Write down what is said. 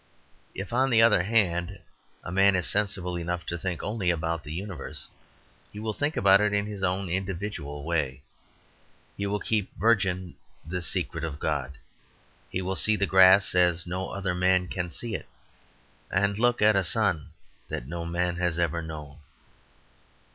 If, on the other hand, a man is sensible enough to think only about the universe; he will think about it in his own individual way. He will keep virgin the secret of God; he will see the grass as no other man can see it, and look at a sun that no man has ever known.